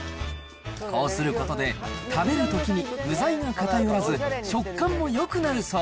こうすることで、食べるときに具材が偏らず、食感もよくなるそう。